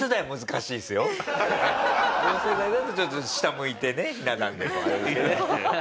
同世代だとちょっと下向いてねひな壇でもあれですけど。